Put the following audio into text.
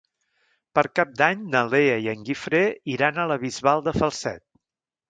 Per Cap d'Any na Lea i en Guifré iran a la Bisbal de Falset.